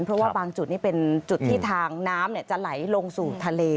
เพราะว่าบางจุดนี่เป็นจุดที่ทางน้ำจะไหลลงสู่ทะเล